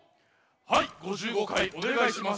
はい５５かいおねがいします。